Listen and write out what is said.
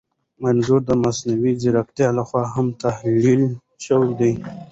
انځور د مصنوعي ځیرکتیا لخوا هم تحلیل شوی دی.